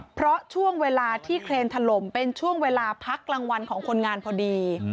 เพราะช่วงเวลาที่เครนถล่มเป็นช่วงเวลาพักกลางวันของคนงานพอดี